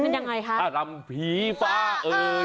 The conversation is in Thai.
มันยังไงคะอารำผีฟ้าเอ่ย